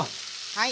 はい。